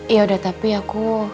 ya udah tapi aku